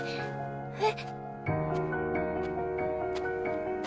えっ？